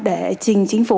để trình chính phủ